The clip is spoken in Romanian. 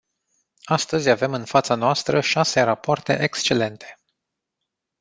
Astăzi avem în fața noastră șase rapoarte excelente.